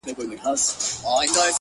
لوړ لید د محدودیتونو اغېز کموي.